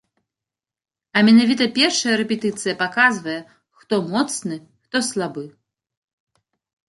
А менавіта першая рэпетыцыя паказвае, хто моцны, хто слабы.